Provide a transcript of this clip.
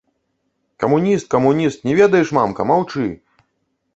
Камуніст, камуніст, не ведаеш, мамка, маўчы!